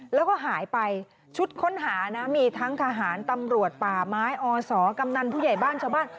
แล้วก็หายไปชุดค้นหานะมีทั้งทหารตำรวจป่าไม้อศกำนันผู้ใหญ่บ้านชาวบ้าน